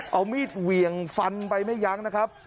เอามีดเหวี่ยงฟันไปไม่ยั้งนะครับ